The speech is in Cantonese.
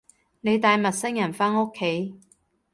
你帶陌生人返屋企